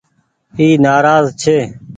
اي نآراز ڇي۔